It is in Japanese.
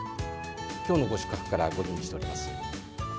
きょうのご宿泊から、ご準備しております。